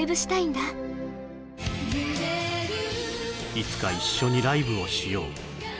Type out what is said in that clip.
いつか一緒にライブをしよう